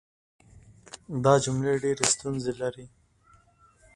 دا جملې ډېرې ستونزې لري.